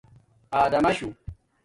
آداماشݸ